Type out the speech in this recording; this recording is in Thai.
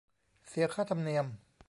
เสียค่าธรรมเนียม